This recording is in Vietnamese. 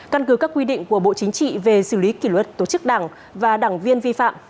căn cứ các quy định của bộ chính trị về xử lý kỷ luật tổ chức đảng và đảng viên vi phạm